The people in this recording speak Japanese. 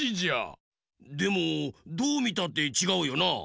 でもどうみたってちがうよな。